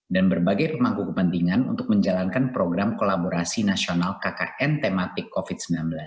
berbagai pemangku kepentingan untuk menjalankan program kolaborasi nasional kkn tematik covid sembilan belas